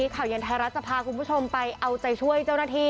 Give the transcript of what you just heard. ข่าวเย็นไทยรัฐจะพาคุณผู้ชมไปเอาใจช่วยเจ้าหน้าที่